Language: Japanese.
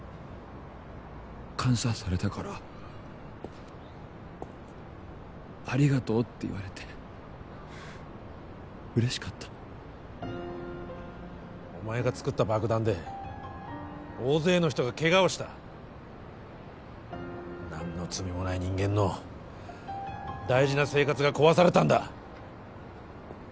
感謝されたからありがとうって言われて嬉しかったお前が作った爆弾で大勢の人がケガをした何の罪もない人間の大事な生活が壊されたんだ